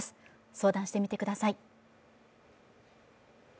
相談してみてください。